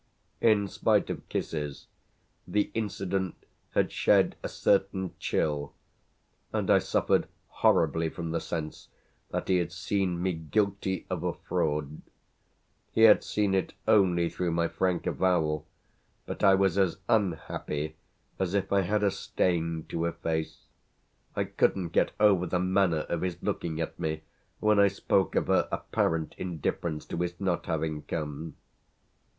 In spite of kisses the incident had shed a certain chill, and I suffered horribly from the sense that he had seen me guilty of a fraud. He had seen it only through my frank avowal, but I was as unhappy as if I had a stain to efface. I couldn't get over the manner of his looking at me when I spoke of her apparent indifference to his not having come.